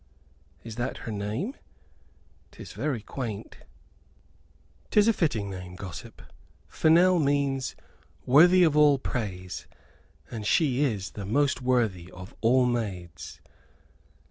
"Is that her name? 'Tis very quaint." "'Tis a fitting name, gossip. Fennel means 'Worthy of all praise,' and she is the most worthy of all maids."